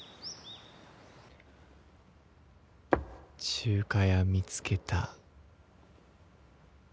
中華屋見つけた。